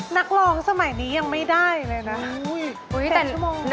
นักร้องสมัยนี้ยังไม่ได้เลยนะ